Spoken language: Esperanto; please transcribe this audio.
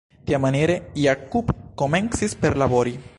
Tiamaniere Jakub komencis perlabori.